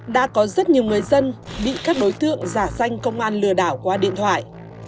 đã có rất nhiều người dân bị các đối tượng giả danh công an lừa đảo qua điện thoại